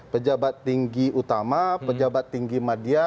pejabat tinggi utama pejabat tinggi media